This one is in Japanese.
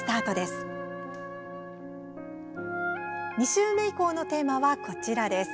２週目以降のテーマはこちらです。